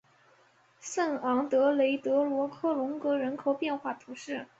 圣昂德雷德罗科龙格人口变化图示